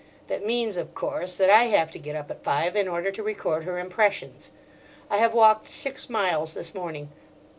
That means, of course, that I have to get up at five in order to record her impressions. I have walked six miles this morning.